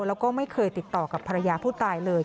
แล้วก็ไม่เคยติดต่อกับภรรยาผู้ตายเลย